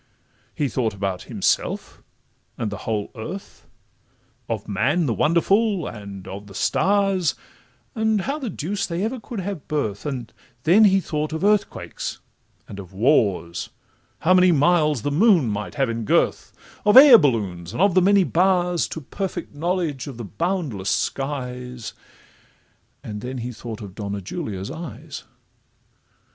He thought about himself, and the whole earth Of man the wonderful, and of the stars, And how the deuce they ever could have birth; And then he thought of earthquakes, and of wars, How many miles the moon might have in girth, Of air balloons, and of the many bars To perfect knowledge of the boundless skies;— And then he thought of Donna Julia's eyes.